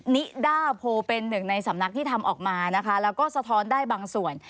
นิด้าโพเป็นหนึ่งในสำนักที่ทำออกมานะคะแล้วก็สะท้อนได้บางส่วน